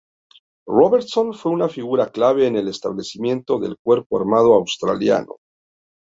Robertson fue una figura clave en el establecimiento del Cuerpo Armado Australiano.